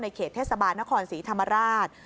เขตเทศบาลนครศรีธรรมราช